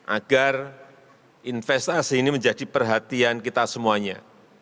agar investasi ini menjadi perhatian kita semuanya